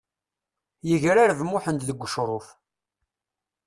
Yegrareb Muḥend deg ucruf.